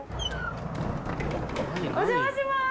お邪魔します！